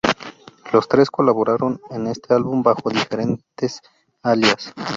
Los tres colaboraron en este álbum bajo diferentes alias.